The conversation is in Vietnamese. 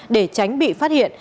để tránh bị phát hiện